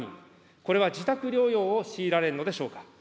これは自宅療養を強いられるのでしょうか。